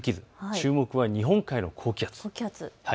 注目は日本海の高気圧。